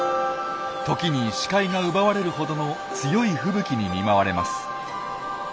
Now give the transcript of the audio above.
時に視界が奪われるほどの強い吹雪に見舞われます。